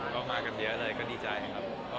ก็มากันเยอะเลยก็ดีใจครับ